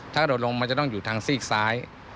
ถ้าโดดลงมันจะต้องอยู่ทางซีกซ้าย